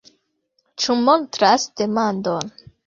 Ĉu montras demandon.